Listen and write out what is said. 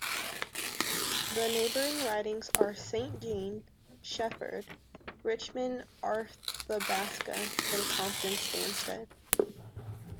The neighbouring ridings are Saint-Jean, Shefford, Richmond-Arthabaska, and Compton-Stanstead.